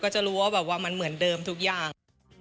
ก็จะรู้ว่ามันเหมือนเดิมทุกอย่าง